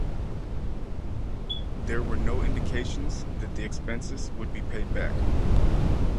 There were no indications that the expenses would be paid back.